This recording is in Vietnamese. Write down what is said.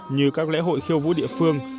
như các lễ hội khiêu vũ địa phương